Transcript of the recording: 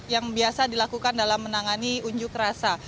yang biasa dilakukan dalam menangani unjuk rasa